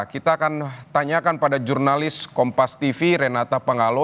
kita akan tanyakan pada jurnalis kompas tv renata pangalo